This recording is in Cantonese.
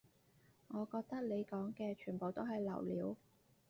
我覺得你講嘅全部都係流料